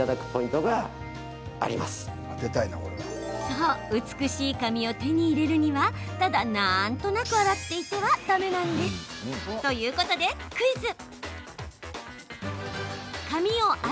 そう美しい髪を手に入れるにはただなんとなく洗っていてはだめなんです。ということでクイズ。